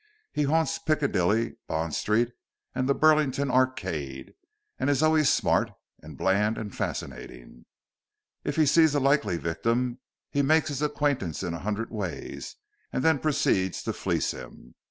He haunts Piccadilly, Bond Street and the Burlington Arcade, and is always smart, and bland, and fascinating. If he sees a likely victim he makes his acquaintance in a hundred ways, and then proceeds to fleece him.